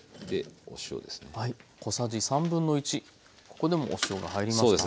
ここでもお塩が入りました。